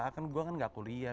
saya kan tidak kuliah